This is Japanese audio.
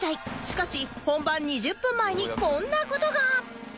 しかし本番２０分前にこんな事が